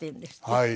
はい。